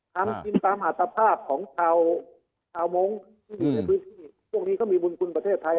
ทำชินตามอาจภาพของชาวมงค์ช่วงนี้ก็มีบุญคุณประเทศไทย